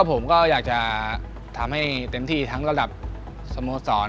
ผมก็อยากจะทำให้เต็มที่ทั้งระดับสโมสร